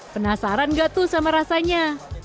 penasaran gak tuh sama rasanya